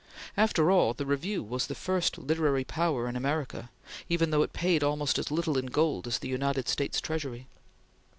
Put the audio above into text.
After all, the Review was the first literary power in America, even though it paid almost as little in gold as the United States Treasury.